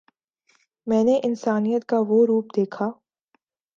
میں نے انسانیت کا وہ روپ دیکھا